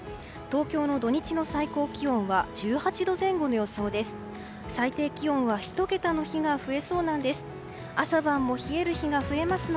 東京の土日の最高気温は１８度前後の予想です。